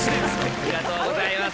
ありがとうございます。